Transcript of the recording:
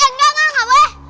enggak enggak enggak boleh